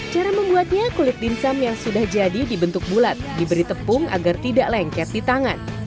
cara membuatnya kulit dimsum yang sudah jadi dibentuk bulat diberi tepung agar tidak lengket di tangan